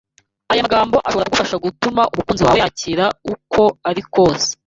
Aya magambo ashobora kugufasha gutuma umukunzi wawe yakira uko ari kose